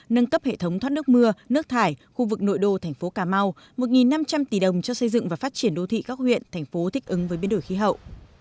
nâng cấp hệ thống thoát nước mưa nước thải khu vực nội đô thành phố cà mau một năm trăm linh tỷ đồng cho xây dựng và phát triển đô thị các huyện thành phố thích ứng với biến đổi khí hậu